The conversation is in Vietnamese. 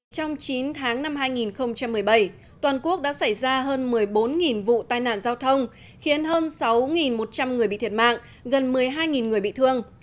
trong chín tháng năm hai nghìn một mươi bảy toàn quốc đã xảy ra hơn một mươi bốn vụ tai nạn giao thông khiến hơn sáu một trăm linh người bị thiệt mạng gần một mươi hai người bị thương